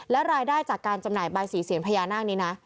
และรายได้จากการจำหน่ายใบสีเสียงพญานาคนี้นะ